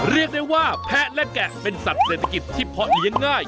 เรียกได้ว่าแพะและแกะเป็นสัตว์เศรษฐกิจที่เพาะเลี้ยงง่าย